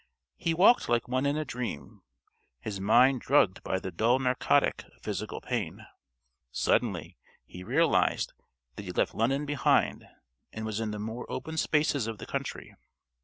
He walked like one in a dream, his mind drugged by the dull narcotic of physical pain. Suddenly he realised that he had left London behind him, and was in the more open spaces of the country.